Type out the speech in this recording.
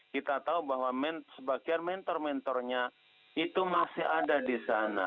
kita tahu bahwa sebagian mentor mentornya itu masih ada di sana